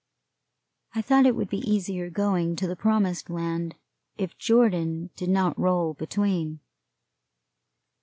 I thought it would be easier going to the Promised Land if Jordan did not roll between.